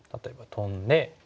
トンで。